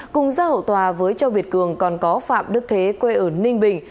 cùng ra hậu tòa với châu việt cường còn có phạm đức thế quê ở ninh bình